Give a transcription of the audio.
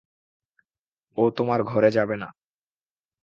ও তোমার ঘরে যাবে না।